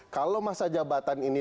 kalau masa jabatan ini